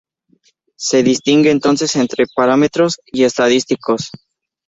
Se distingue entonces entre parámetros y estadísticos.